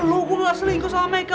gue gak selingkuh sama mereka